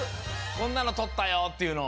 こんなのとったよ！っていうの。